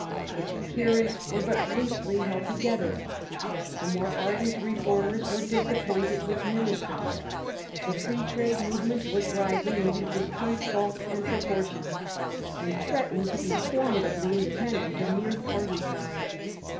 Its adherents were but loosely held together. The more ardent 1837. SIR ROBERT PEEL. 39 reformers were disappointed with, ministers ; the Free Trade movement was rising into distinct bulk and proportions, and threatened to be formidably indepen dent of mere party ties.